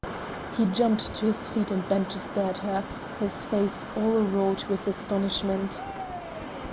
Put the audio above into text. He jumped to his feet and bent to stare at her, his face all wrought with astonishment.